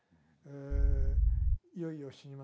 いよいよ死にますよ